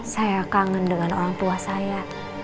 saya kangen dengan orang tua saya